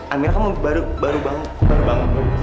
amirah kan baru bangun